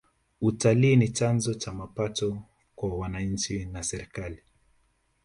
utalii ni chanzo cha mapato kwa wananchi na serikali